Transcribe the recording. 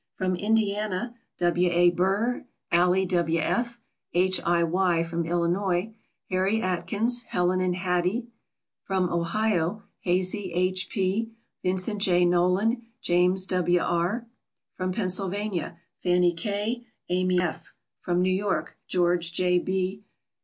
From Indiana W. A. Burr, Allie W. F., H. I. Y. From Illinois Harry Atkins, Helen and Hattie. From Ohio Hazie H. P., Vincent J. Nolan, James W. R. From Pennsylvania Fannie K., Amy F. From New York George J. B.